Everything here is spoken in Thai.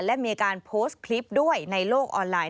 และมีการโพสต์คลิปด้วยในโลกออนไลน